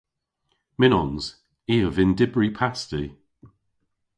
Mynnons. I a vynn dybri pasti.